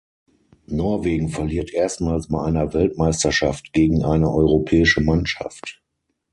Norwegen verliert erstmals bei einer Weltmeisterschaft gegen eine europäische Mannschaft.